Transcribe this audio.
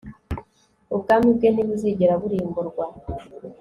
ubwami bwe ntibuzigera burimburwa